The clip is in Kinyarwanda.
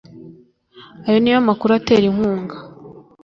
ayo ni amakuru atera inkunga